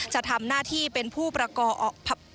จะทำหน้าที่เป็นผู้ประกอบออก